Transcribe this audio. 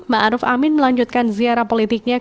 ma'ruf amin melanjutkan ziarah politiknya